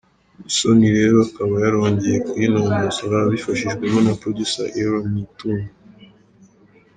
Musoni rero akaba yarongeye kuyinononsora abifashijwemo na Producer Aaron Nitunga.